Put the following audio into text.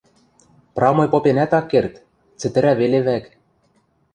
Прамой попенӓт ак керд, цӹтӹрӓ веле вӓк.